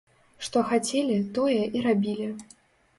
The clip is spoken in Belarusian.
Што хацелі, тое і рабілі.